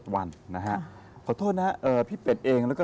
๓๗วันค่ะ